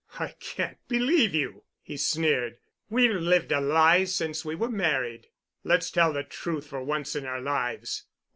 "I can't believe you," he sneered. "We've lived a lie since we were married. Let's tell the truth for once in our lives.